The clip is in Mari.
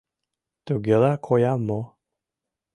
— Тугела коям мо?